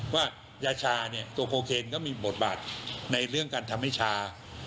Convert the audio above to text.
ว่ายาชาเนี่ยตัวโคเคนก็มีบทบาทในเรื่องการทำให้ชา